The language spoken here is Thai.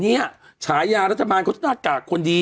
เนี่ยฉายารัฐบาลนักกากควรดี